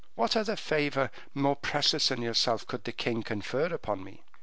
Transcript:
What other favor, more precious than yourself, could the king confer upon me?